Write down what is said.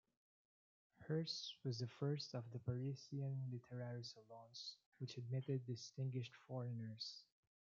Hers was the first of the Parisian literary salons which admitted distinguished foreigners.